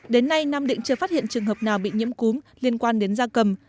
đến nay nam định chưa phát hiện trường hợp nào bị nhiễm cúm liên quan đến gia cầm